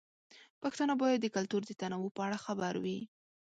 پښتانه باید د کلتور د تنوع په اړه خبر وي.